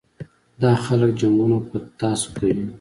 دا خلک جنګونه په تاسو کوي.